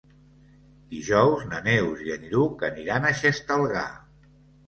Dijous na Neus i en Lluc aniran a Xestalgar.